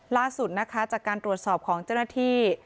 ล่าสุดนะคะจากการตรวจสอบของเจ้าหน้าที่